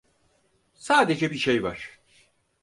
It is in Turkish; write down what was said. Sadece bir şey var.